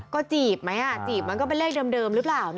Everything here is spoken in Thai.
ก็จีบไหมจีบมันก็เป็นเลขเดิมหรือเปล่า